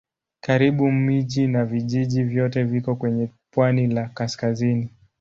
Karibu miji na vijiji vyote viko kwenye pwani la kaskazini.